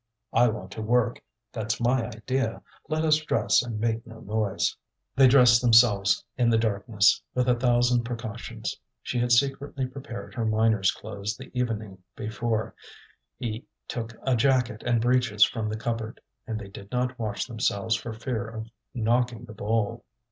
"I want to work; that's my idea. Let us dress and make no noise." They dressed themselves in the darkness, with a thousand precautions. She had secretly prepared her miner's clothes the evening before; he took a jacket and breeches from the cupboard; and they did not wash themselves for fear of knocking the bowl.